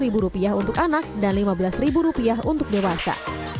sepuluh rupiah untuk anak dan lima belas rupiah untuk dewasa